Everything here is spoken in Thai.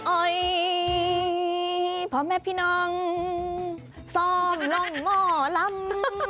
อ้อยพ่อแม่พี่น้องซ่อมลงหมอลำ